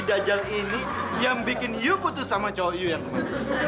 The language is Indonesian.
dajjal ini yang bikin you putus sama cowok you ya teman teman